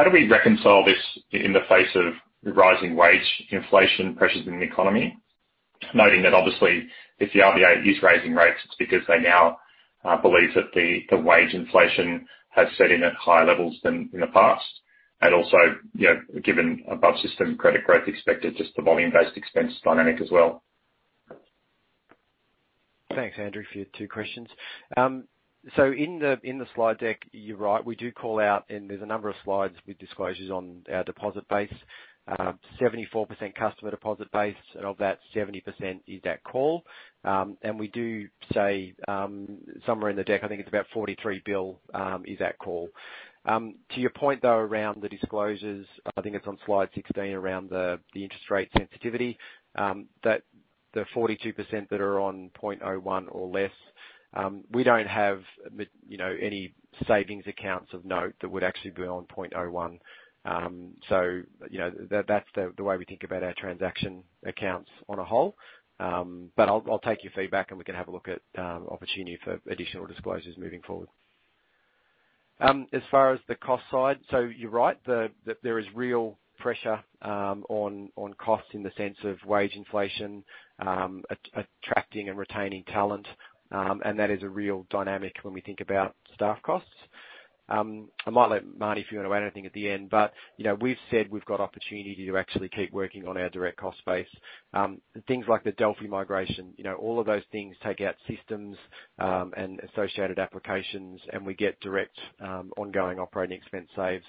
do we reconcile this in the face of rising wage inflation pressures in the economy? Noting that obviously, if the RBA is raising rates, it's because they now believe that the wage inflation has set in at higher levels than in the past. Also, you know, given above-system credit growth expected, just the volume-based expense dynamic as well. Thanks, Andrew, for your two questions. In the slide deck, you're right, we do call out, and there's a number of slides with disclosures on our deposit base. 74% customer deposit base, and of that 70% is at call. We do say somewhere in the deck, I think it's about 43 billion is at call. To your point, though, around the disclosures, I think it's on slide 16 around the interest rate sensitivity that the 42% that are on 0.01 or less, we don't have, you know, any savings accounts of note that would actually be on 0.01. You know, that's the way we think about our transaction accounts as a whole. I'll take your feedback, and we can have a look at opportunity for additional disclosures moving forward. As far as the cost side, you're right. There is real pressure on costs in the sense of wage inflation, attracting and retaining talent. That is a real dynamic when we think about staff costs. I might let Marnie, if you want to add anything at the end, but you know, we've said we've got opportunity to actually keep working on our direct cost base. Things like the Delphi migration, you know, all of those things take out systems and associated applications, and we get direct ongoing operating expense saves.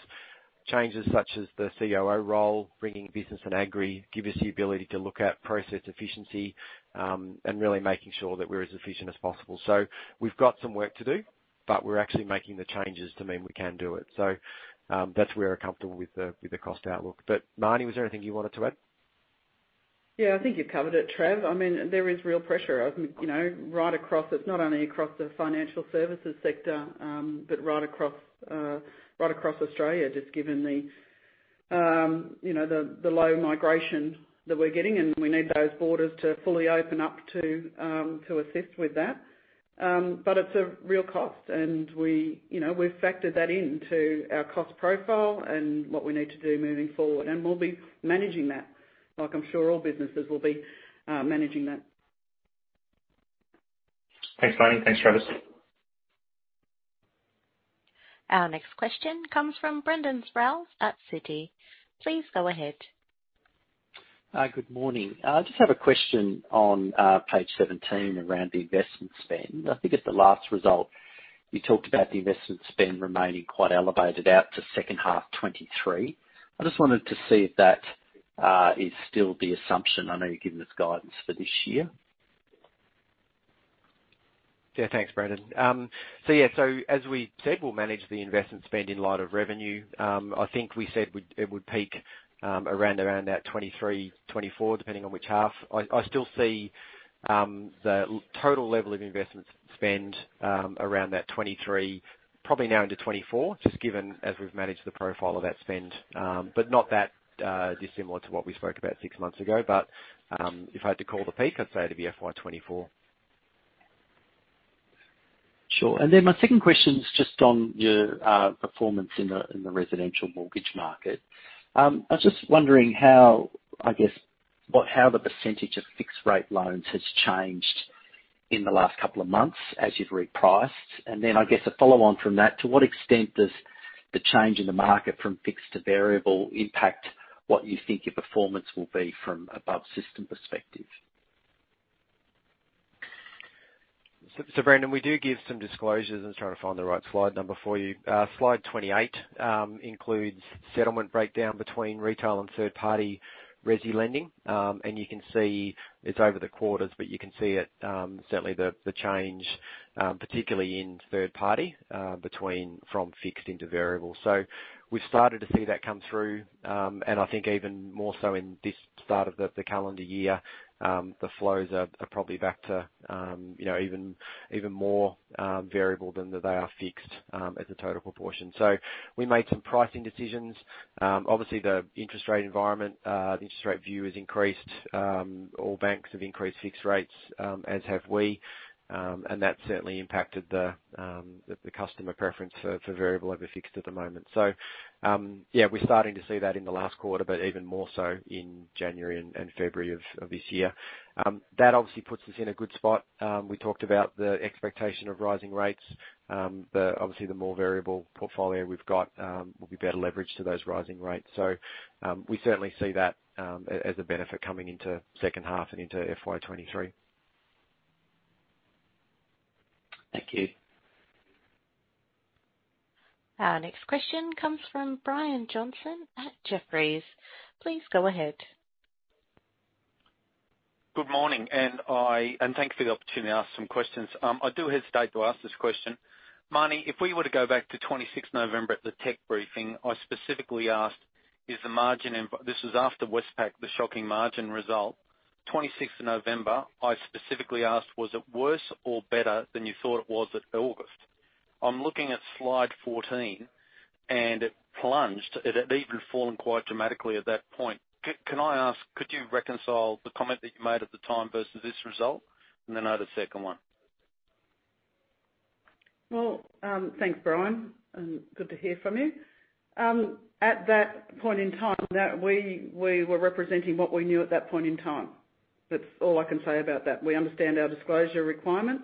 Changes such as the COO role, bringing business and agri, give us the ability to look at process efficiency, and really making sure that we're as efficient as possible. We've got some work to do, but we're actually making the changes to mean we can do it. That's where we're comfortable with the cost outlook. Marnie, was there anything you wanted to add? Yeah, I think you've covered it, Trav. I mean, there is real pressure, you know, right across. It's not only across the financial services sector, but right across Australia, just given the, you know, the low migration that we're getting, and we need those borders to fully open up to assist with that. It's a real cost, and we, you know, we've factored that into our cost profile and what we need to do moving forward, and we'll be managing that, like I'm sure all businesses will be, managing that. Thanks, Marnie. Thanks, Travis. Our next question comes from Brendan Sproules at Citi. Please go ahead. Good morning. I just have a question on page seventeen around the investment spend. I think at the last result, you talked about the investment spend remaining quite elevated out to second half 2023. I just wanted to see if that is still the assumption. I know you've given us guidance for this year. Yeah. Thanks, Brendan. As we said, we'll manage the investment spend in light of revenue. I think it would peak around 2023, 2024, depending on which half. I still see the total level of investment spend around 2023, probably now into 2024, just given that we've managed the profile of that spend. Not that dissimilar to what we spoke about six months ago. If I had to call the peak, I'd say it'd be FY 2024. Sure. My second question is just on your performance in the residential mortgage market. I was just wondering how, I guess, the percentage of fixed rate loans has changed in the last couple of months as you've repriced. I guess a follow on from that, to what extent does the change in the market from fixed to variable impact what you think your performance will be from above system perspective? Brendan, we do give some disclosures. I'm just trying to find the right slide number for you. Slide 28 includes settlement breakdown between retail and third party resi lending. You can see it's over the quarters, but you can see it, certainly the change, particularly in third party, between from fixed into variable. We've started to see that come through, and I think even more so in this start of the calendar year, the flows are probably back to, you know, even more variable than they are fixed, as a total proportion. We made some pricing decisions. Obviously the interest rate environment, the interest rate view has increased. All banks have increased fixed rates, as have we. That certainly impacted the customer preference for variable over fixed at the moment. We're starting to see that in the last quarter, but even more so in January and February of this year. That obviously puts us in a good spot. We talked about the expectation of rising rates, but obviously the more variable portfolio we've got will be better leverage to those rising rates. We certainly see that as a benefit coming into second half and into FY 2023. Thank you. Our next question comes from Brian Johnson at Jefferies. Please go ahead. Good morning, thanks for the opportunity to ask some questions. I do hesitate to ask this question. Marnie, if we were to go back to 26th November at the tech briefing, I specifically asked, "Is the margin in..." This was after Westpac, the shocking margin result. 26th of November, I specifically asked, "Was it worse or better than you thought it was at August?" I'm looking at slide 14, and it plunged. It had even fallen quite dramatically at that point. Can I ask, could you reconcile the comment that you made at the time versus this result? I have a second one. Well, thanks, Brian, and good to hear from you. At that point in time, that we were representing what we knew at that point in time. That's all I can say about that. We understand our disclosure requirements,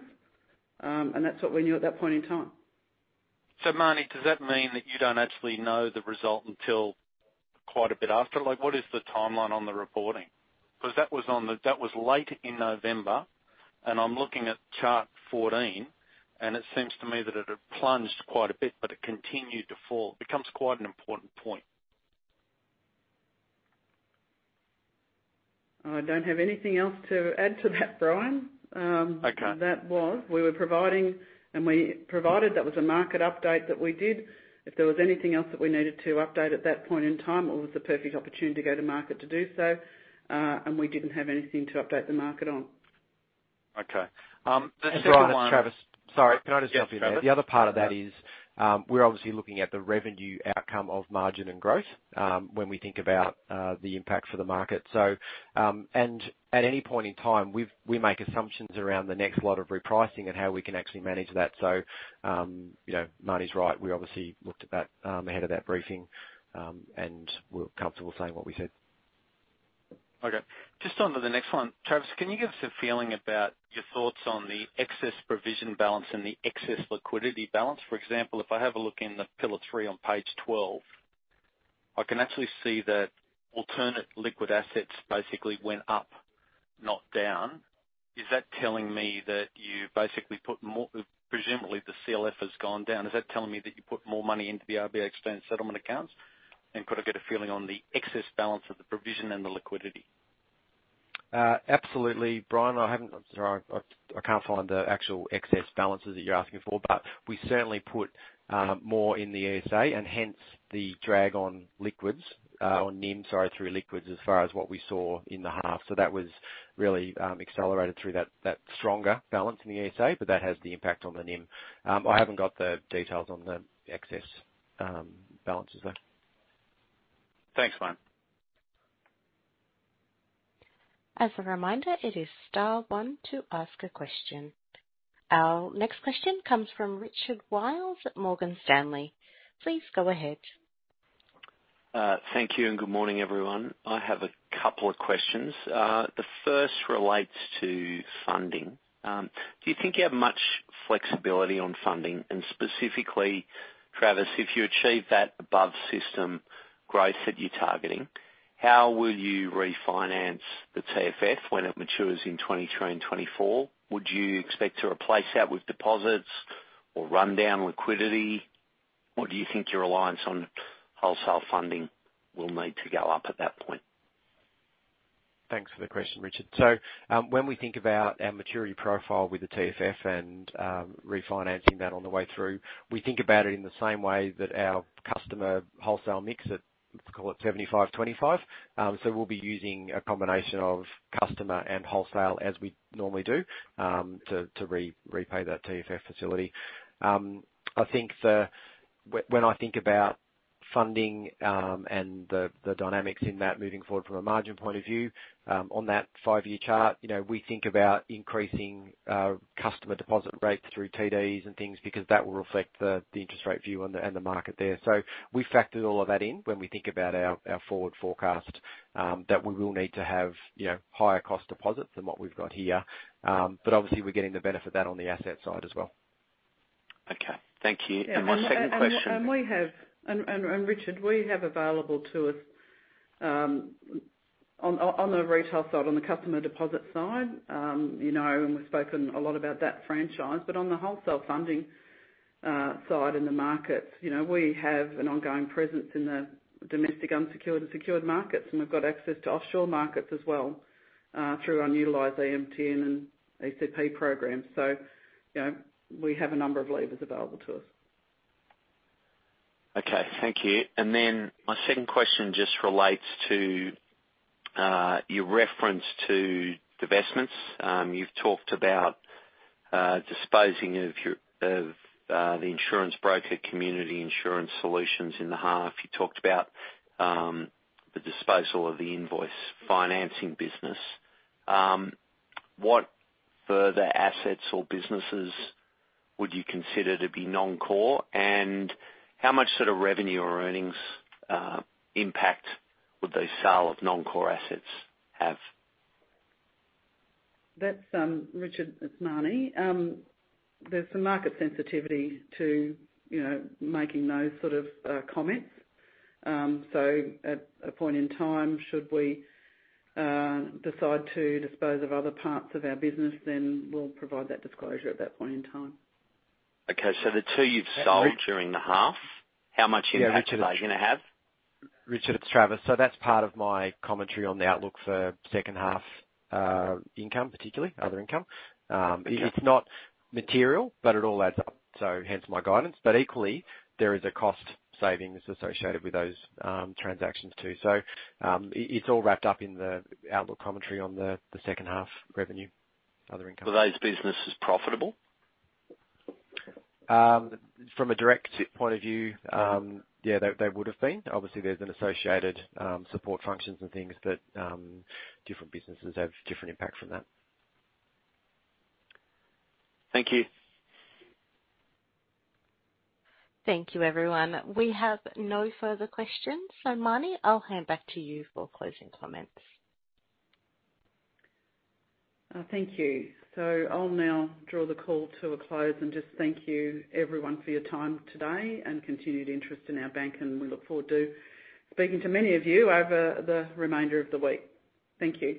and that's what we knew at that point in time. Marnie, does that mean that you don't actually know the result until quite a bit after? Like, what is the timeline on the reporting? That was late in November, and I'm looking at chart 14, and it seems to me that it had plunged quite a bit, but it continued to fall. Becomes quite an important point. I don't have anything else to add to that, Brian. Okay. We were providing, and we provided. That was a market update that we did. If there was anything else that we needed to update at that point in time, it was the perfect opportunity to go to market to do so. We didn't have anything to update the market on. Okay. The second one. Brian, it's Travis. Sorry, can I just jump in there? Yes, Travis. The other part of that is, we're obviously looking at the revenue outcome of margin and growth, when we think about the impact for the market. At any point in time, we make assumptions around the next lot of repricing and how we can actually manage that. You know, Marnie's right. We obviously looked at that, ahead of that briefing, and we're comfortable saying what we said. Okay. Just on to the next one. Travis, can you give us a feeling about your thoughts on the excess provision balance and the excess liquidity balance? For example, if I have a look in the Pillar 3 on page 12, I can actually see that alternative liquid assets basically went up, not down. Is that telling me that you basically put more. Presumably, the CLF has gone down. Is that telling me that you put more money into the RBA external settlement accounts? And could I get a feeling on the excess balance of the provision and the liquidity? Absolutely. Brian, sorry, I can't find the actual excess balances that you're asking for, but we certainly put more in the ESA, and hence the drag on liquidity or NIM through liquidity as far as what we saw in the half. That was really accelerated through that stronger balance in the ESA, but that has the impact on the NIM. I haven't got the details on the excess balances though. Thanks, mate. As a reminder, it is star one to ask a question. Our next question comes from Richard Wiles at Morgan Stanley. Please go ahead. Thank you and good morning, everyone. I have a couple of questions. The first relates to funding. Do you think you have much flexibility on funding? Specifically, Travis, if you achieve that above system growth that you're targeting, how will you refinance the TFF when it matures in 2023 and 2024? Would you expect to replace that with deposits or run down liquidity? Or do you think your reliance on wholesale funding will need to go up at that point? Thanks for the question, Richard. When we think about our maturity profile with the TFF and refinancing that on the way through, we think about it in the same way that our customer wholesale mix at, let's call it 75/25. We'll be using a combination of customer and wholesale as we normally do to repay that TFF facility. I think when I think about funding and the dynamics in that moving forward from a margin point of view, on that 5-year chart, you know, we think about increasing customer deposit rates through TDs and things because that will reflect the interest rate view on the RBA and the market there. We factored all of that in when we think about our forward forecast that we will need to have, you know, higher cost deposits than what we've got here. Obviously we're getting the benefit of that on the asset side as well. Okay. Thank you. My second question- Richard, we have available to us on the retail side, on the customer deposit side, you know, and we've spoken a lot about that franchise, but on the wholesale funding side in the market, you know, we have an ongoing presence in the domestic unsecured and secured markets, and we've got access to offshore markets as well, through our utilized AMTN and ECP programs. You know, we have a number of levers available to us. Okay. Thank you. My second question just relates to your reference to divestments. You've talked about disposing of the insurance broker, Community Insurance Solutions, in the half. You talked about the disposal of the invoice financing business. What further assets or businesses would you consider to be non-core? How much sort of revenue or earnings impact would the sale of non-core assets have? Richard, it's Marnie Baker. There's some market sensitivity to, you know, making those sort of comments. At a point in time, should we decide to dispose of other parts of our business, then we'll provide that disclosure at that point in time. Okay. The two you've sold during the half, how much impact are they gonna have? Richard, it's Travis. That's part of my commentary on the outlook for second half, income, particularly other income. It's not material, but it all adds up. Hence my guidance. Equally, there is a cost savings associated with those, transactions too. It's all wrapped up in the outlook commentary on the second half revenue, other income. Were those businesses profitable? From a direct point of view, yeah, they would have been. Obviously there's an associated support functions and things, but different businesses have different impact from that. Thank you. Thank you, everyone. We have no further questions. Marnie, I'll hand back to you for closing comments. Thank you. I'll now draw the call to a close and just thank you everyone for your time today and continued interest in our bank, and we look forward to speaking to many of you over the remainder of the week. Thank you.